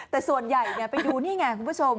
แต่ส่วนใหญ่ไปดูนี่ไงคุณผู้ชม